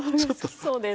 そうです。